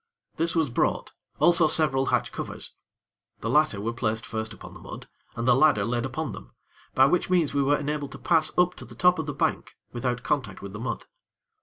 This was brought, also several hatch covers. The latter were placed first upon the mud, and the ladder laid upon them; by which means we were enabled to pass up to the top of the bank without contact with the mud.